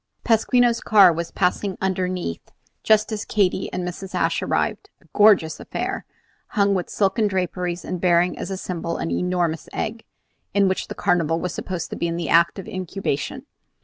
Pasquino's Car was passing underneath just as Katy and Mrs. Ashe arrived, a gorgeous affair, hung with silken draperies, and bearing as symbol an enormous egg, in which the Carnival was supposed to be in act of incubation.